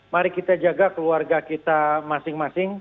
mari kita jaga keluarga kita masing masing